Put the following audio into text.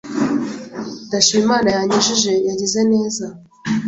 Ndashima Imana yankijije yagize neza